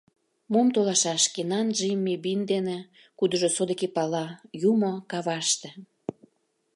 Мом толашаш шкенан Джимми Бин дене, кудыжо содыки пала: Юмо — каваште!